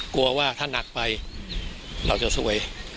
กลัวว่าถ้านักไปเราจะซวย